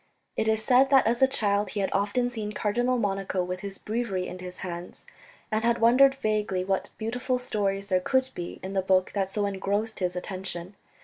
It is said that as a child he had often seen Cardinal Monico with his Breviary in his hands, and had wondered vaguely what beautiful stories there could be in the book that so engrossed his attention.